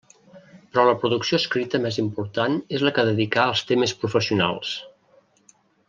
Però la producció escrita més important és la que dedicà als temes professionals.